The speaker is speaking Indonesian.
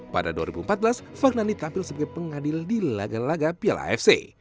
pada dua ribu empat belas fahnani tampil sebagai pengadil di laga laga piala afc